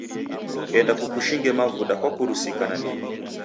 Enda kukushinge mavuda kwakurusika nandighi.